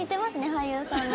俳優さんの。